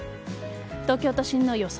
東京都心の予想